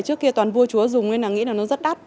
trước kia toàn vua chúa dùng nên là nghĩ là nó rất đắt